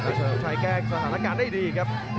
ณเฉลิมชัยแก้ภารการได้ดีครับ